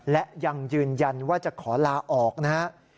และยังยืนยันว่าจะขอลาออกนะครับ